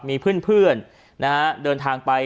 มีเพื่อนนะฮะเดินทางไป